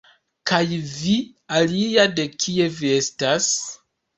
Kaj vi, alia, de kie vi estas?